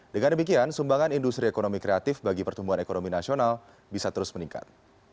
dengan demikian sumbangan industri ekonomi kreatif bagi pertumbuhan ekonomi nasional bisa terus meningkat